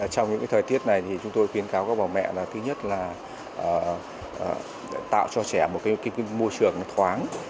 trong những thời tiết này thì chúng tôi khuyến cáo các bà mẹ là thứ nhất là tạo cho trẻ một môi trường thoáng